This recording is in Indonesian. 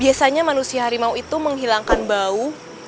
biasanya manusia harimau itu menghilangkan bau